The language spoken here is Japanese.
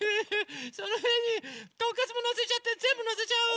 そのへんにトンカツものせちゃってぜんぶのせちゃおう！